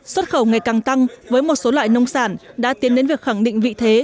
xuất khẩu ngày càng tăng với một số loại nông sản đã tiến đến việc khẳng định vị thế